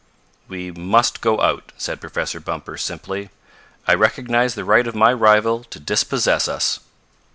"We must go out," said Professor Bumper simply. "I recognize the right of my rival to dispossess us."